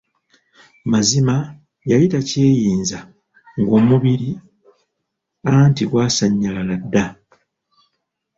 Mazima yali takyeyinza ng'omubiri anti gwasannyalala dda.